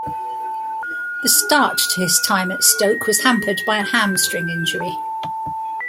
The start to his time at Stoke was hampered by a hamstring injury.